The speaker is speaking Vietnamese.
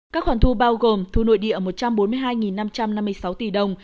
các khoản thu bao gồm thu nội địa một trăm bốn mươi hai năm trăm năm mươi sáu tỷ đồng